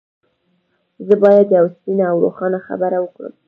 زه بايد يوه سپينه او روښانه خبره وکړم.